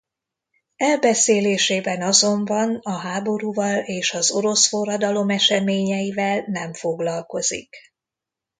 Elbeszélésében azonban a háborúval és az orosz forradalom eseményeivel nem foglalkozik.